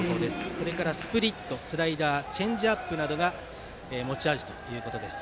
それからスプリット、スライダーチェンジアップなどが持ち味ということです。